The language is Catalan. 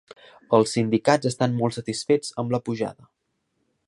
Els sindicats estan molt satisfets amb la pujada